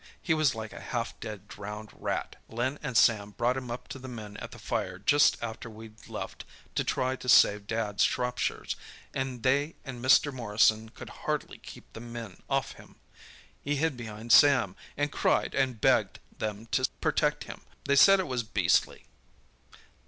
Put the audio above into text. He was like a half dead, drowned rat. Len and Sam brought him up to the men at the fire just after we'd left to try to save Dad's Shropshires, and they and Mr. Morrison could hardly keep the men off him. He hid behind Sam, and cried and begged them to protect him. They said it was beastly."